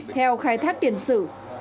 theo khai thác tiền sử